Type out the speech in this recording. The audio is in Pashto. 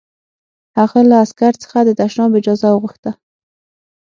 هغه له عسکر څخه د تشناب اجازه وغوښته